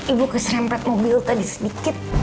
ibu keserempet mobil tadi sedikit